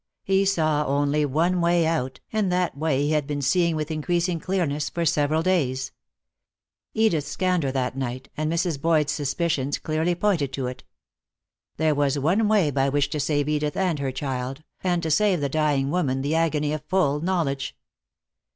He saw only one way out, and that way he had been seeing with increasing clearness for several days. Edith's candor that night, and Mrs. Boyd's suspicions, clearly pointed to it. There was one way by which to save Edith and her child, and to save the dying woman the agony of full knowledge.